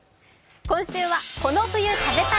今週は「この冬食べたい！